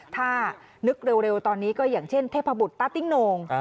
ถ้านึกเร็วตอนนี้ก็อย่างเช่นเทพบุตรตาติ้งโน่ง